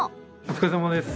お疲れさまです。